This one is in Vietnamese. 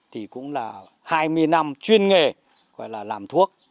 thì cũng là hai mươi năm chuyên nghề gọi là làm thuốc